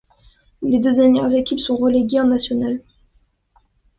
Les deux dernières équipes sont reléguées en National.